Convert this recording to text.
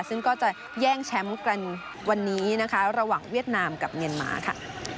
ซึ่งก็จะแย่งแชมป์กันวันนี้นะคะระหว่างเวียดนามกับเมียนมาค่ะ